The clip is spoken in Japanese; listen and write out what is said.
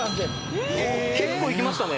結構いきましたね。